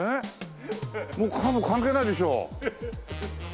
もうカープ関係ないでしょ。